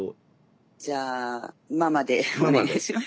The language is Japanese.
じゃあママでお願いします。